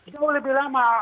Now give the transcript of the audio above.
jauh lebih lama